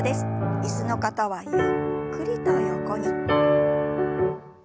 椅子の方はゆっくりと横に。